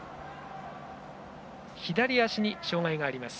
左足に障がいがあります。